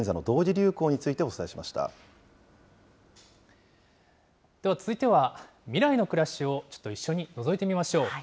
流行についてお伝では続いては、未来の暮らしをちょっと一緒にのぞいてみましょう。